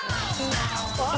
あっ！